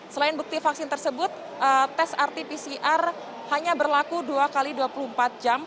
selain bukti vaksin tersebut tes rt pcr hanya berlaku dua x dua puluh empat jam